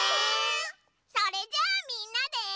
それじゃあみんなで。